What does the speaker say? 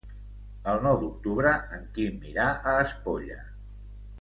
El nou d'octubre en Quim irà a Espolla.